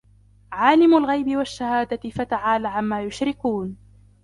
عالم الغيب والشهادة فتعالى عما يشركون